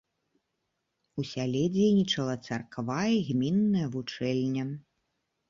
У сяле дзейнічала царква і гмінная вучэльня.